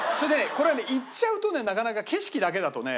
これはね行っちゃうとねなかなか景色だけだとね